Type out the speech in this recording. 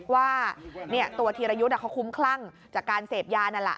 ว่าตัวธีรยุทธ์เขาคุ้มคลั่งจากการเสพยานั่นแหละ